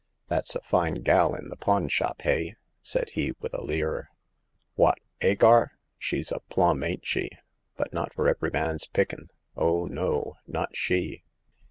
" That's a fine gal in the pawn shop, hay !" said he, with a leer. "Wot—' Agar? She's a plum, ain't she? — but not for every man's pickin' ; oh, no ; not she